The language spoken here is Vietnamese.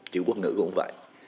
chữ quốc ngữ cũng vậy